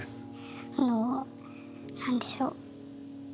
そのなんでしょう。